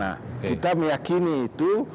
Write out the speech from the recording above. nah kita meyakini itu